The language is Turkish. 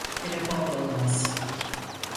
Telefonda olmaz.